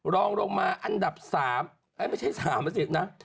รองลงมาอันดับ๓ไม่ใช่๓๐นะ